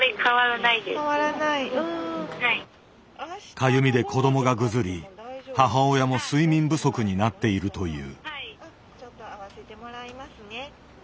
かゆみで子どもがぐずり母親も睡眠不足になっているという。